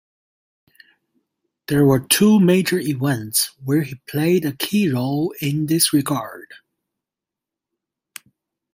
There were two major events where he played a key role in this regard.